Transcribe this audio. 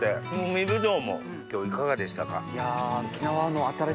海ぶどうも今日いかがでしたか？